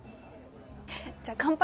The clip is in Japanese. じゃあ乾杯！